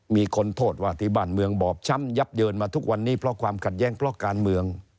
มีคนโทษว่าที่บ้านเมืองบอบช้ำยับเยินมาทุกวันนี้เพราะความขัดแย้งเพราะการเมือง